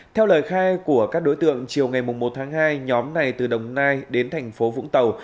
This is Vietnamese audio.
theo lời khai của các đối tượng chiều ngày một tháng hai nhóm này từ đồng nai đến thành phố vũng tàu